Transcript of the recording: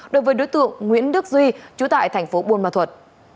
đối với đối tượng nguyễn đức duy trú tại thành phố buôn ma thuật